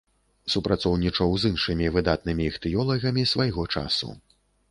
Супрацоўнічаў з іншымі выдатнымі іхтыёлагамі свайго часу.